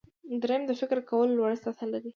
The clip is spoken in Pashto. دریم د فکر کولو لوړه سطحه لري.